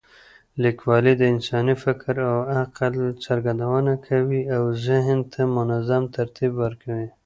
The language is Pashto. لیکوالی د انساني فکر او عقل څرګندونه کوي او ذهن ته منظم ترتیب ورکوي.